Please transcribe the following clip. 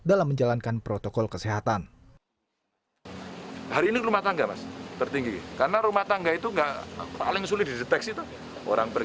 dalam menjalankan protokol kesehatan